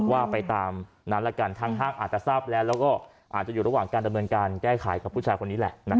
ว่าไปตามนั้นละกันทางห้างอาจจะทราบแล้วแล้วก็อาจจะอยู่ระหว่างการดำเนินการแก้ไขกับผู้ชายคนนี้แหละ